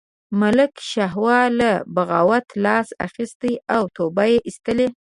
ملک شاهو له بغاوته لاس اخیستی او توبه یې ایستلې.